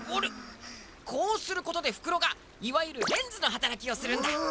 こうすることでふくろがいわゆるレンズのはたらきをするんだ。